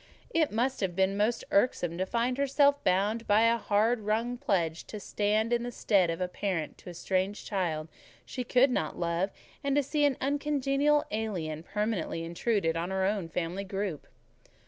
It must have been most irksome to find herself bound by a hard wrung pledge to stand in the stead of a parent to a strange child she could not love, and to see an uncongenial alien permanently intruded on her own family group.